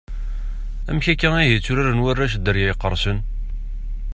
Amek akka ihi i tturaren warrac Dderya iqersen?